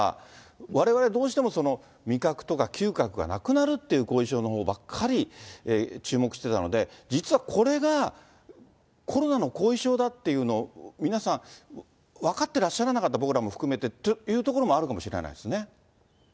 われわれどうしても味覚とか嗅覚がなくなるという後遺症のほうばっかり注目してたので、実はこれが、コロナの後遺症だっていうのを、皆さん分かってらっしゃらなかった、僕らも含めてというところもあるかもしれないですね。